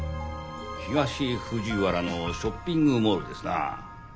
東藤原のショッピングモールですな。